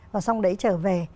và xong đấy trở về